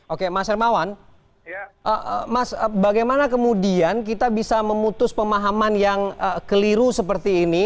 oke mas hermawan bagaimana kemudian kita bisa memutus pemahaman yang keliru seperti ini